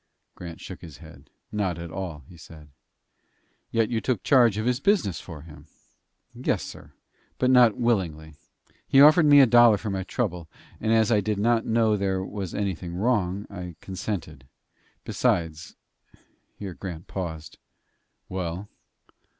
Grant shook his head. "Not at all," he said. "Yet you took charge of his business for him?" "Yes, sir; but not willingly. He offered me a dollar for my trouble, and as I did not know there was anything wrong, I consented. Besides " Here Grant paused. "Well?"